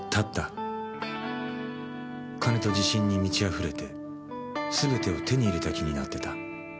金と自信に満ちあふれてすべてを手に入れた気になってた。